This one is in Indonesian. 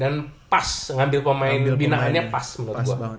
dan pas ngambil pemain binaannya pas menurut gua